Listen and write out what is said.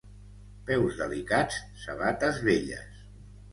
Peus delicats, sabates velles.